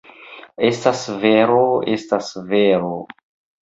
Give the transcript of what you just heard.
Estas vero, estas vero!